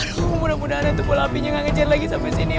aduh mudah mudahan itu bola apinya nggak ngejar lagi sampai sini